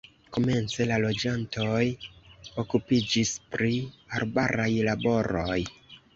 Komence la loĝantoj okupiĝis pri arbaraj laboroj.